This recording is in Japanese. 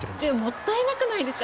もったいなくないですか？